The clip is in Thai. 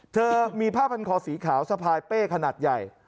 เธอมีผ้าพันคอสีขาวสะพายเป้ขนาดใหญ่